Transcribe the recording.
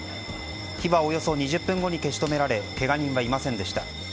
火はおよそ２０分後に消し止められケガ人はいませんでした。